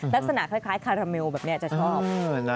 ลักษณะคล้ายคาราเมลแบบนี้จะชอบ